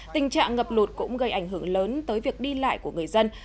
tình trạng ngập lụt cũng gây ảnh hưởng lớn tới việc đi lại của người dân